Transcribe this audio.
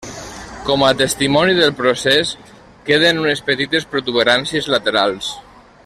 Com a testimoni del procés queden unes petites protuberàncies laterals.